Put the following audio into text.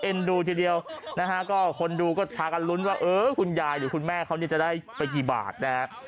ดูทีเดียวนะฮะก็คนดูก็พากันลุ้นว่าเออคุณยายหรือคุณแม่เขาเนี่ยจะได้ไปกี่บาทนะฮะ